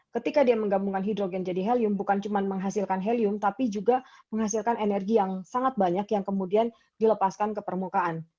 ketika dia menggabungkan hidrogen jadi helium bukan cuma menghasilkan helium tapi juga menghasilkan energi yang sangat banyak yang kemudian dilepaskan ke permukaan